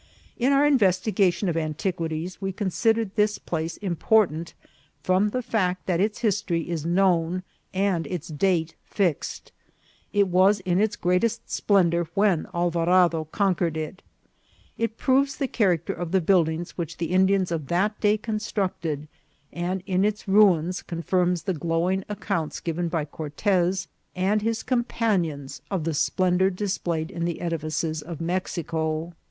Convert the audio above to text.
In our investigation of antiquities we considered this place important from the fact that its history is known and its date fixed. It was in its greatest splendour when Alvarado conquered it. It proves the character of the buildings which the Indians of that day construct ed, and in its ruins confirms the glowing accounts given by Cortez and his companions of the splendour display ed in the edifices of Mexico.